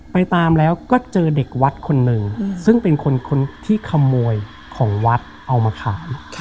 ไปตามแล้วก็เจอเด็กวัดคนหนึ่งซึ่งเป็นคนที่ขโมยของวัดเอามาขาย